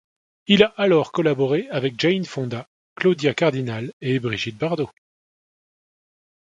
Il a alors collaboré avec Jane Fonda, Claudia Cardinale et Brigitte Bardot.